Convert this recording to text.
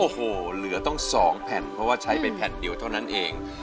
โอ้โหเหลือต้อง๒แผ่นเพราะว่าใช้ไปแผ่นเดียวเท่านั้นเอง